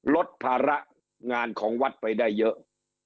ลดภาระงานของวัดไปได้เยอะ